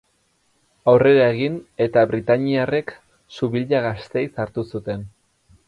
Aurrera egin eta britainiarrek Subilla Gasteiz hartu zuten.